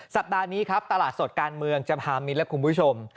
สัปดาห์นี้ครับตลาดสดการเมืองจะพามิ้นและคุณผู้ชม